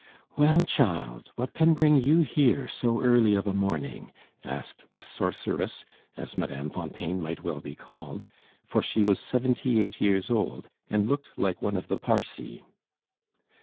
"Well, child, what can bring you here so early of a morning?" asked the sorceress, as Mme. Fontaine might well be called, for she was seventy eight years old, and looked like one of the Parcae.